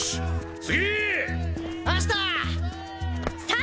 ・次！